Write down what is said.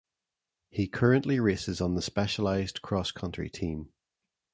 He currently races on the Specialized Cross Country Team.